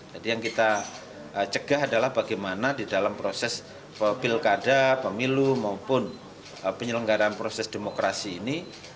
jadi yang kita cegah adalah bagaimana di dalam proses pilkada pemilu maupun penyelenggaraan proses demokrasi ini